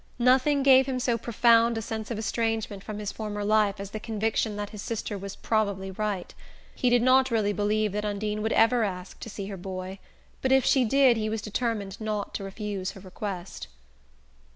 Nothing gave him so profound a sense of estrangement from his former life as the conviction that his sister was probably right. He did not really believe that Undine would ever ask to see her boy; but if she did he was determined not to refuse her request.